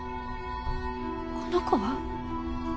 この子は？